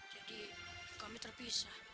jadi kami terpisah